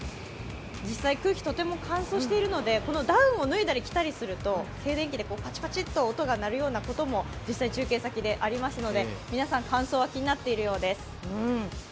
実際、空気とても乾燥しているのでダウンを脱いだり着たりすると静電気でパチパチっと音が鳴るようなことも実際中継先でありますので皆さん、乾燥は気になっているようです。